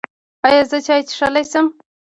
ایا زه چای څښلی شم؟